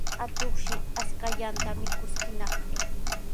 Atuqshi ashkallanta mikuskinaq.